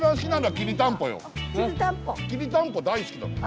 きりたんぽ大好きだもん。